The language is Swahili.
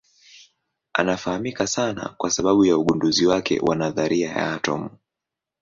Anafahamika sana kwa sababu ya ugunduzi wake wa nadharia ya atomu.